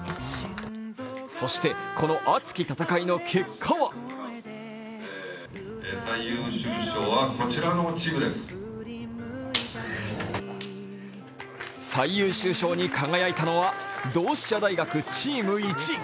そして、この熱き戦いの結果は最優秀賞に輝いたのは同志社大学チーム１。